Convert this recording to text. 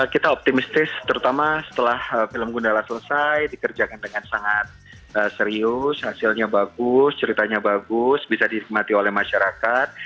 kita optimistis terutama setelah film gundala selesai dikerjakan dengan sangat serius hasilnya bagus ceritanya bagus bisa dinikmati oleh masyarakat